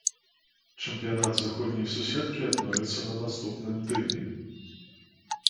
Чэмпіянат заходняй суседкі адновіцца на наступным тыдні.